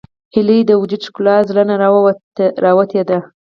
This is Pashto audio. هیلۍ د وجود ښکلا له زړه نه راوتې ده